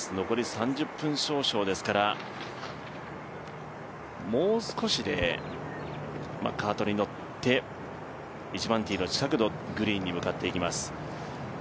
残り３０分少々ですから、もう少しでカートに乗って１番ティーの近くのグリーンに向かっていきます。